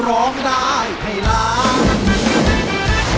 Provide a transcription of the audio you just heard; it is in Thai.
ร้องได้ให้ล้าน